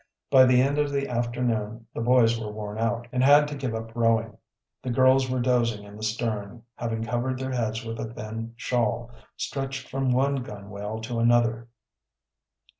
By the end of the afternoon the boys were worn out, and had to give up rowing. The girls were dozing in the stern, having covered their heads with a thin shawl, stretched from one gunwale to another.